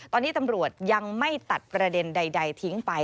ตอนนี้ตำรวจยังไม่ตัดประเด็นใดทิ้งไป